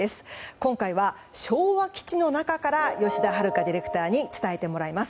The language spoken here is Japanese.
今回は昭和基地の中から吉田遥ディレクターに伝えてもらいます。